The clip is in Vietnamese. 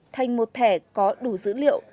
thành một thẻ có đủ dữ liệu